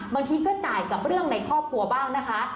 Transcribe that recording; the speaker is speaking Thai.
บางทีก็จ่ายกับเรื่องในครอบครัวบ้างนะคะ